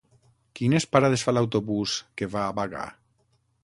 Quines parades fa l'autobús que va a Bagà?